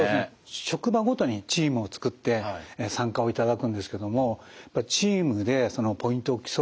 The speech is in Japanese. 職場ごとにチームを作って参加をいただくんですけどもチームでポイントを競う。